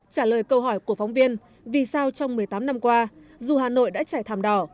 trả lời câu hỏi của phóng viên vì sao trong một mươi tám năm qua dù hà nội đã trải thàm đỏ